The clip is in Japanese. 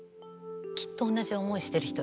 きっと同じ思いしてる人